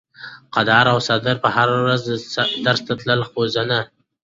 قادر او سردار به هره ورځ درس ته تلل خو زه نه.